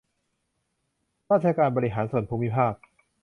ราชการบริหารส่วนภูมิภาค